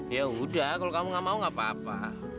yaudah kalau kamu nggak mau nggak apa apa